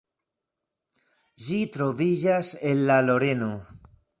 Ĝi troviĝas en la Loreno.